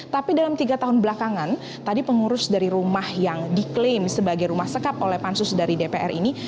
tapi dalam tiga tahun belakangan tadi pengurus dari rumah yang diklaim sebagai rumah sekap oleh pansus dari dpr ini